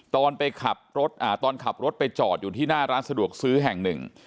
ตอนไปขับรถตอนขับรถไปจอดอยู่ที่หน้าร้านสะดวกซื้อแห่งหนึ่ง